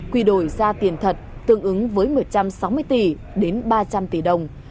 quy đổi ra tiền thật tương ứng với một trăm sáu mươi tỷ đến ba trăm linh tỷ đồng